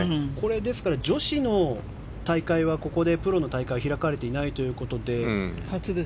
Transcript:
女子の大会は、ここでプロの大会は開かれていないということで。